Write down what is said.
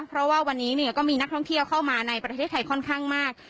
เพราะว่าวันนี้ก็มีนักท่องเที่ยวเข้ามาในประเทศไทยค่อนข้างมาก